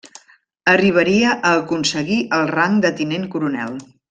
Arribaria a aconseguir el rang de tinent coronel.